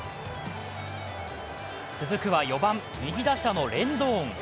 続くは４番、右打者のレンドーン。